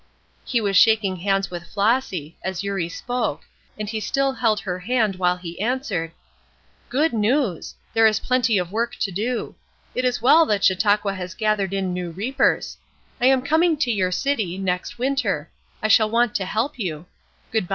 He was shaking hands with Flossy, as Eurie spoke, and he still held her hand while he answered: "Good news! There is plenty of work to do. It is well that Chautauqua has gathered in new reapers. I am coming to your city, next winter; I shall want to help you.